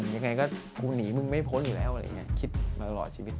ยังไงก็ถูกหนีมึงไม่พละอยู่แล้วคิดมาตลอดชีวิต